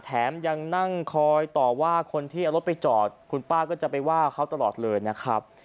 แถมยังนั่งคอยต่อว่าคนที่เอารถไปจอดคุณป้าก็จะไปว่าเขาตลอดเลยนะครับ